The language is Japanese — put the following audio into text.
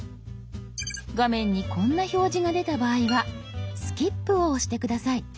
画面にこんな表示が出た場合は「スキップ」を押して下さい。